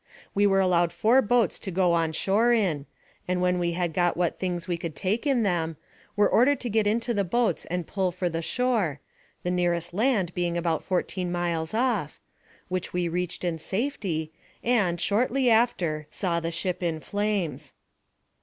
We were allowed four boats to go on shore in, and when we had got what things we could take in them, were ordered to get into the boats and pull for the shore, the nearest land being about fourteen miles off, which we reached in safety, and, shortly after, saw the ship in flames.